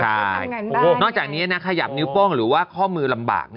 ใช่นอกจากนี้นะขยับนิ้วโป้งหรือว่าข้อมือลำบาก